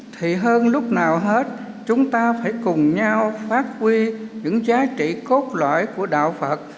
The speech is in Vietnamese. thì hơn lúc nào hết chúng ta phải cùng nhau phát huy những giá trị cốt lõi của đạo phật